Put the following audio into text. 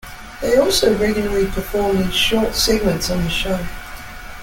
They also regularly performed in short segments on the show.